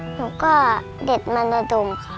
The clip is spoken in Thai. หนูก็เด็ดมันระดมค่ะ